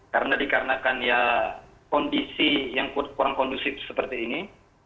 karena dikarenakan ya kondisi yang kurang kondusif seperti ini